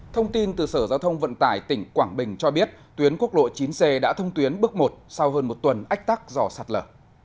thông tin từ sở giao thông vận tải tỉnh quảng bình cho biết tuyến quốc lộ chín c đã thông tuyến bước một sau hơn một tuần ách tắc do sạt lở